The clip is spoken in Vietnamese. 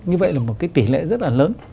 như vậy là một cái tỷ lệ rất là lớn